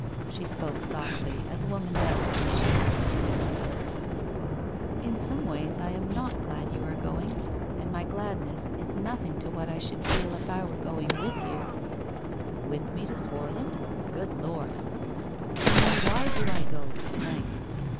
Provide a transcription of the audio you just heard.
She spoke softly, as a woman does when she had been given her will. 269 270 WHITE ROSE OF WEARY LEAF ' In some ways, I am not glad you are going. And my gladness is nothing to what I should feel if I were going with you !' 'With me to Swarland? Good Lord! ... Amy, why do I go, to night?